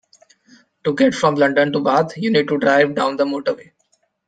To get from London to Bath you need to drive down the motorway